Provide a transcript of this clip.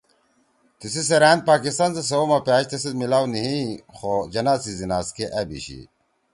تیِسی سیرأن پاکستان سی سوَؤ ما پأش تیسیت میلاؤ نی ہی خو جناح سی زیناز کے أ بیِشی